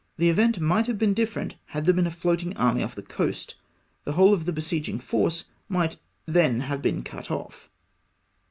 The event might have been different had there been a floating army off the coast — the whole of the besieging force might then have been cut off.